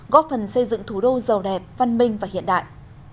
góp phần xây dựng thủ đô giàu đẹp văn minh và hiện đại